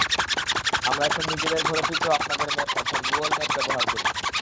আমরা এখন নিজেদের ঘরে ফিরতেও আপনাদের ম্যাপ অর্থাৎ গুগল ম্যাপ ব্যবহার করি।